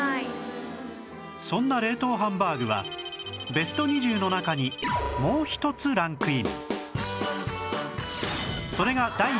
そんな冷凍ハンバーグはベスト２０の中にもう一つランクイン